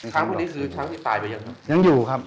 ช้างพี่นี่คือช้างที่ตายไปยังครับ